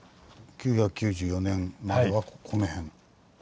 ９９４年まではこの辺。